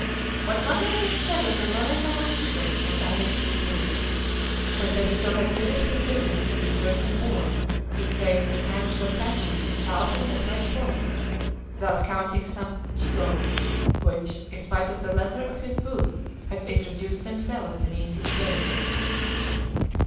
What Manoel had said of the Loreto mosquitoes was only too true. When Benito had finished his business and returned on board, his face and hands were tattooed with thousands of red points, without counting some chigoes, which, in spite of the leather of his boots, had introduced themselves beneath his toes.